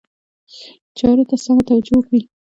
چارو ته سمه توجه وکړي.